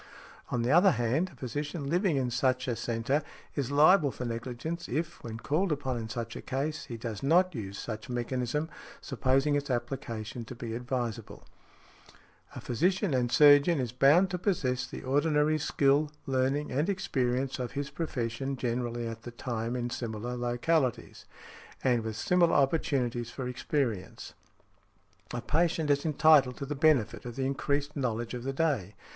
On the other hand, a physician living in such a |61| centre is liable for negligence, if, when called upon in such a case, he does not use such mechanism, supposing its application to be advisable . A physician and surgeon is bound to possess the ordinary skill, learning and experience of his profession generally at the time in similar localities, and with similar opportunities for experience . A patient is entitled to the benefit of the increased knowledge of the day.